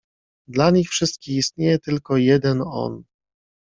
"Dla nich wszystkich istnieje tylko jeden „on“."